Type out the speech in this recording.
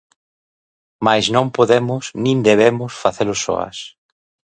Mais non podemos nin debemos facelo soas.